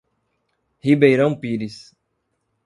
Ribeirão Pires